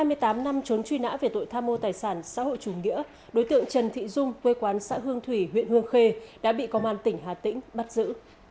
sau hai mươi tám năm trốn truy nã về tội tham mô tài sản xã hội chủ nghĩa đối tượng trần thị dung quê quán xã hương thủy huyện hương khê đã bị công an tỉnh hà tĩnh bắt giữ